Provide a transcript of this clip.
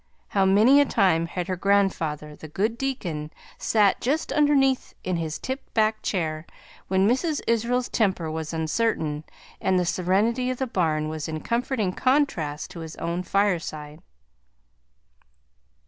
How many a time had her grandfather, the good deacon, sat just underneath in his tipped back chair, when Mrs. Israel's temper was uncertain, and the serenity of the barn was in comforting contrast to his own fireside!